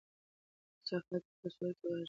کثافات په کڅوړه کې واچوئ.